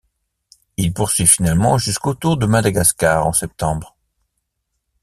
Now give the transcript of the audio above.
Il poursuit finalement jusqu'au Tour de Madagascar en septembre.